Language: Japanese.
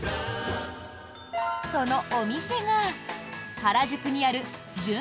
そのお店が、原宿にある旬